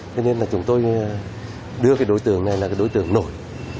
cho nên là chúng tôi đưa cái đối tượng này là cái đối tượng nổi